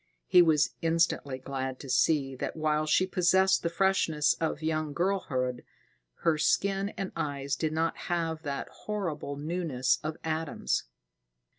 He was instantly glad to see that while she possessed the freshness of young girlhood, her skin and eyes did not have the horrible newness of Adam's.